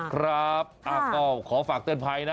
ครับก็ขอฝากเตือนภัยนะ